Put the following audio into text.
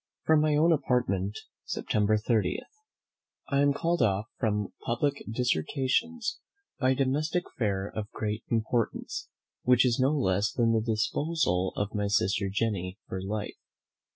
From my own Apartment, September 30. I am called off from public dissertations by a domestic affair of great importance, which is no less than the disposal of my sister Jenny for life.